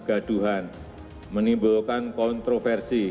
jangan melakukan hal hal yang menimbulkan kontroversi